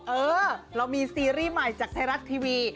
เออเรามีซีรีส์ใหม่จากไทยรัฐทีวี